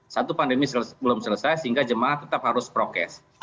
satu pandemi belum selesai sehingga jemaah tetap harus prokes